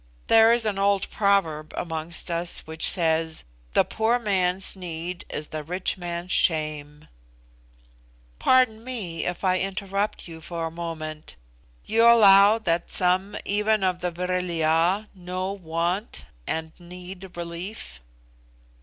There is an old proverb amongst us which says, 'The poor man's need is the rich man's shame '" "Pardon me, if I interrupt you for a moment. You allow that some, even of the Vril ya, know want, and need relief."